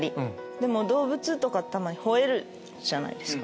でも動物とかたまにほえるじゃないですか。